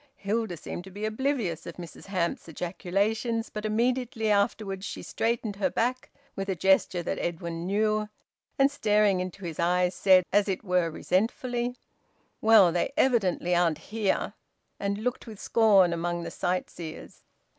Hilda seemed to be oblivious of Mrs Hamps's ejaculations, but immediately afterwards she straightened her back, with a gesture that Edwin knew, and staring into his eyes said, as it were resentfully "Well, they evidently aren't here!" And looked with scorn among the sightseers.